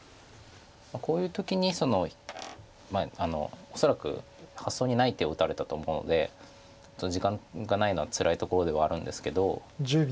こういう時に恐らく発想にない手を打たれたと思うので時間がないのはつらいところではあるんですけど。